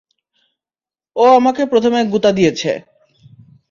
ও আমাকে প্রথমে গুঁতা দিয়েছে!